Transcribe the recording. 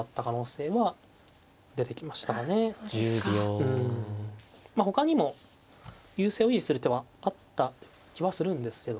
うんまあ他にも優勢を維持する手はあった気はするんですけど。